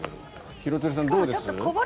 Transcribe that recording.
廣津留さん、どうです？